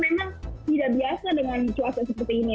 memang tidak biasa dengan cuaca seperti ini